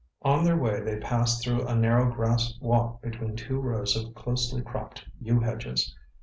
On their way they passed through a narrow grass walk between two rows of closely cropped yew hedges.